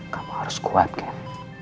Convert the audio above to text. kamu harus kuat kak